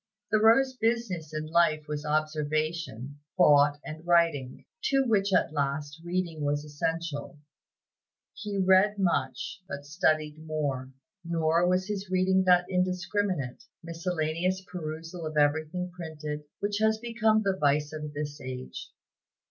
Thoreau's business in life was observation, thought, and writing, to which last, reading was essential. He read much, but studied more; nor was his reading that indiscriminate, miscellaneous perusal of everything printed, which has become the vice of this age.